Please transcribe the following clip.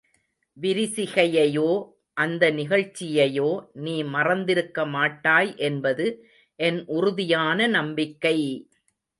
விரிசிகையையோ, அந்த நிகழ்ச்சியையோ நீ மறந்திருக்க மாட்டாய் என்பது என் உறுதியான நம்பிக்கை!